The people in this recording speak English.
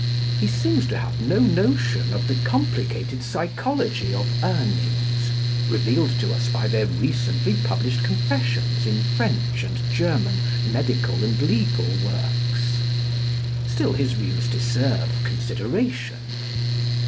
He seems to have no notion of the complicated psychology of Urnings, revealed to us by their recently published confessions in French and German medical and legal works. Still his views deserve consideration.